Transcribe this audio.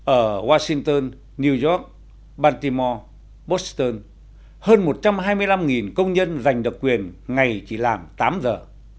ở washington new york bantimo boston hơn một trăm hai mươi năm công nhân giành độc quyền ngày chỉ làm tám giờ